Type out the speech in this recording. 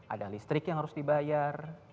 ada listrik yang harus dibayar